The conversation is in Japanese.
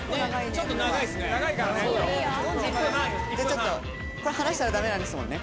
ちょっと長いっすね。